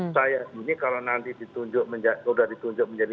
saya ini kalau nanti ditunjuk menjadi warga negara